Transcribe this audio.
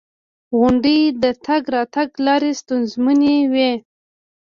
• غونډۍ د تګ راتګ لارې ستونزمنوي.